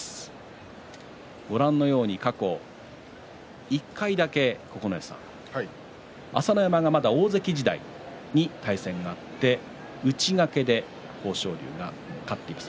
ご覧のように過去１回だけ朝乃山がまだ大関時代に対戦があって内掛けで豊昇龍が勝っています。